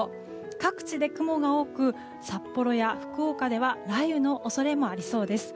各地で雲が多く、札幌や福岡では雷雨の恐れもありそうです。